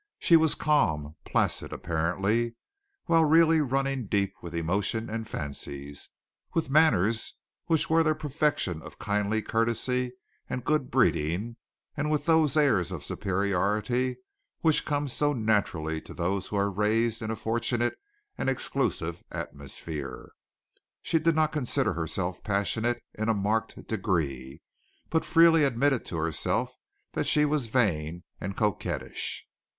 She was calm, placid apparently, while really running deep with emotion and fancies, with manners which were the perfection of kindly courtesy and good breeding and with those airs of superiority which come so naturally to those who are raised in a fortunate and exclusive atmosphere. She did not consider herself passionate in a marked degree, but freely admitted to herself that she was vain and coquettish.